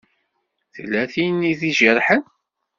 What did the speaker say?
Tella tin i d-ijerḥen?